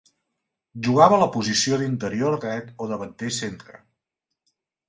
Jugava a la posició d'interior dret o davanter centre.